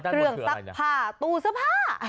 เครื่องซักผ่าตู้เสื้อผ้า